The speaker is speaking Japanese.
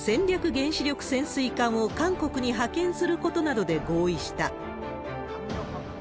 原子力潜水艦を韓国に派遣することなどで合意した。